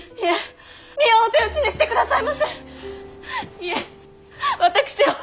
いえ私を！